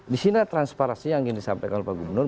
di sini transparansi yang ingin disampaikan oleh pak gubernur